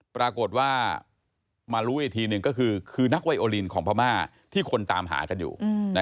ปรากฏว่ามารู้อีกทีหนึ่งก็คือนักไวโอลินของพม่าที่คนตามหากันอยู่